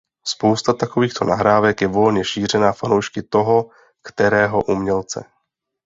Spousta takovýchto nahrávek je volně šířena fanoušky toho kterého umělce.